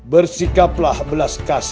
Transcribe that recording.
bersikaplah belas kasih